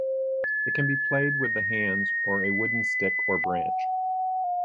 It can be played with the hands or a wooden stick or branch.